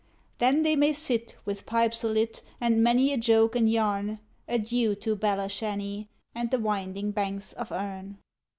Then they may sit, with pipes a lit, and many a joke and 'yarn'; Adieu to Belashanny, and the winding banks of Erne!